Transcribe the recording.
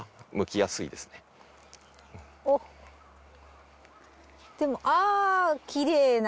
おっでもあきれいな。